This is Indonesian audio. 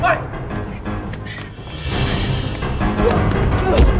pak aku kebuka bisa